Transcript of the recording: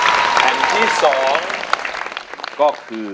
อัตราแผ่นที่สองก็คือ